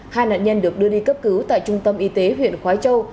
hai nạn nhân được đưa đi cấp cứu tại trung tâm y tế huyện khói châu